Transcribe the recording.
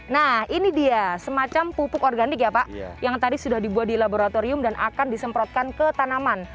nah ini dia semacam pupuk organik ya pak yang tadi sudah dibuat di laboratorium dan akan disemprotkan ke tanaman